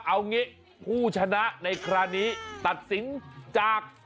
เอางี้ผู้ชนะในคราวนี้ตัดสินจาก